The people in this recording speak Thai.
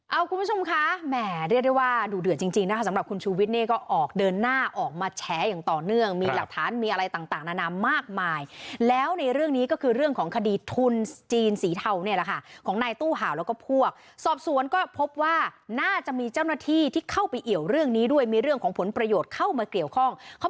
เอาคุณผู้ชมคะแหมเรียกได้ว่าดูเดือดจริงจริงนะคะสำหรับคุณชูวิทย์เนี่ยก็ออกเดินหน้าออกมาแฉอย่างต่อเนื่องมีหลักฐานมีอะไรต่างนานามากมายแล้วในเรื่องนี้ก็คือเรื่องของคดีทุนจีนสีเทาเนี่ยแหละค่ะของนายตู้เห่าแล้วก็พวกสอบสวนก็พบว่าน่าจะมีเจ้าหน้าที่ที่เข้าไปเอี่ยวเรื่องนี้ด้วยมีเรื่องของผลประโยชน์เข้ามาเกี่ยวข้องเขา